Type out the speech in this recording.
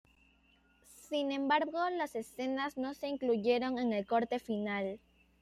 Sin embargo, las escenas no se incluyeron en el corte final.